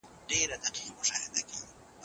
ترڅو چي خلګ ترې ګټه اخلي تاسو ته ثواب رسیږي.